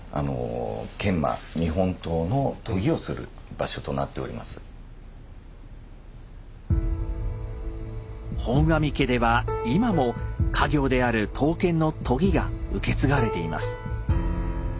研磨本阿彌家では今も家業である刀剣の研ぎが受け継がれています。